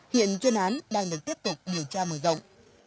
hiện chuyên án đang được tiếp tục điều tra mở rộng